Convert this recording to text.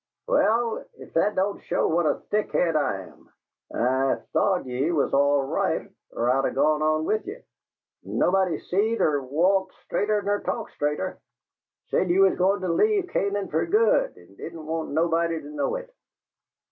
"Well, if that don't show what a thick head I am! I thought ye was all right er I'd gone on with ye. Nobody c'd 'a' walked straighter ner talked straighter. Said ye was goin' to leave Canaan fer good and didn't want nobody to know it.